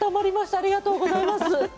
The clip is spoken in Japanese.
ありがとうございます。